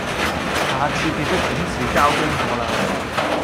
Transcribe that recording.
下次記得準時交功課喇